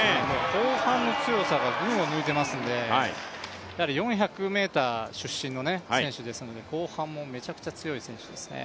後半の強さが群を抜いてますので４００ｍ出身の選手なので後半もめちゃくちゃ強い選手ですね。